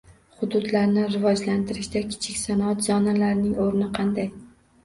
Hududlarni rivojlantirishda kichik sanoat zonalarining o‘rni qanday?